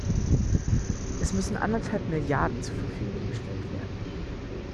Es müssen anderthalb Milliarden zur Verfügung gestellt werden.